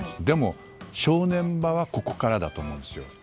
でも、正念場はここからだと思いますよ。